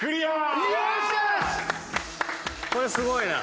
これすごいな。